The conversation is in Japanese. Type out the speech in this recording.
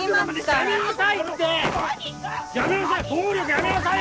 やめなさい！